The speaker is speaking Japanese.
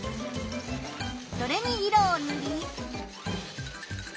それに色をぬり。